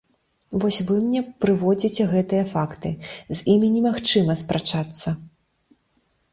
Вось вы мне прыводзіце гэтыя факты, з імі немагчыма спрачацца.